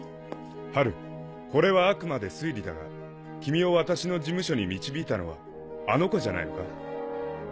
ハルこれはあくまで推理だが君を私の事務所に導いたのはあのコじゃないのか？